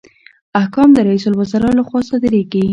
احکام د رئیس الوزرا لخوا صادریږي